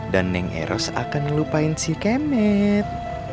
dan neng eros akan lupain si kemet